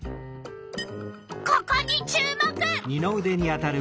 ここに注目！